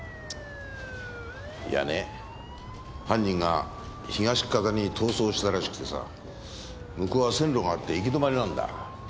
いやね犯人が東っかたに逃走したらしくてさ向こうは線路があって行き止まりなんだ。